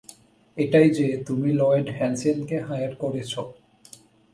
এটাই যে, তুমিই লয়েড হ্যানসেনকে হায়ার করেছ?